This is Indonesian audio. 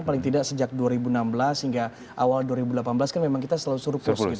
paling tidak sejak dua ribu enam belas hingga awal dua ribu delapan belas kan memang kita selalu surplus